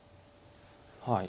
はい。